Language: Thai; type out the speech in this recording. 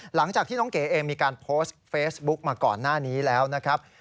หลังจากที่น้องเก๋เองมีการโพสต์เฟซบุ๊กมาก่อนหน้านี้แล้วนะครับ